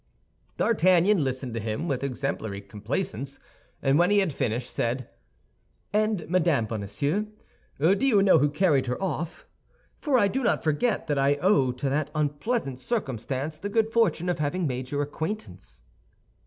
D'Artagnan listened to him with exemplary complaisance, and when he had finished said, "And Madame Bonacieux, do you know who carried her off?—For I do not forget that I owe to that unpleasant circumstance the good fortune of having made your acquaintance."